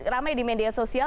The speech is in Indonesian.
ramai di media sosial